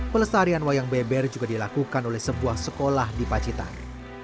pelestarian wayang beber juga dilakukan oleh sebuah sekolah di pacitan